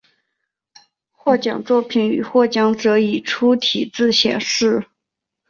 获奖作品与获奖者以粗体字显示。